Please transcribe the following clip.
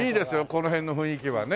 この辺の雰囲気はね。